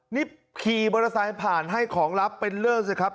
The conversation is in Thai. นี่ขี่บริษัทผ่านให้ของลับเป็นเรื่องสิครับ